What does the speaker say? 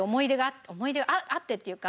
思い出があってっていうか。